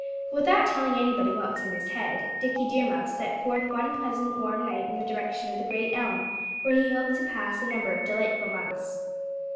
Without telling anybody what was in his head, Dickie Deer Mouse set forth one pleasant, warm night in the direction of the great elm, where he hoped to pass a number of delightful months.